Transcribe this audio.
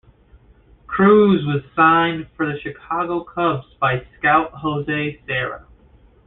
Cruz was signed for the Chicago Cubs by scout Jose Serra.